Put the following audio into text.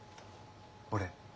俺。